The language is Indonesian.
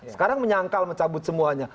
sekarang menyangkal mencabut semuanya